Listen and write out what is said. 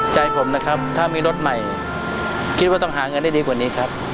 ใจผมนะครับถ้ามีรถใหม่คิดว่าต้องหาเงินได้ดีกว่านี้ครับ